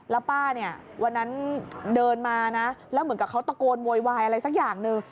แล้วป้าเนี่ยวันนั้นเดินมานะแล้วเหมือนกับเขาตะโกนโวยวายอะไรสักอย่างหนึ่ง